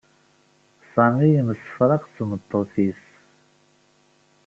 Sami yemsefraq d tmeṭṭut-is.